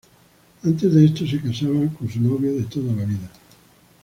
Antes de esto se casaba con su novia de toda la vida.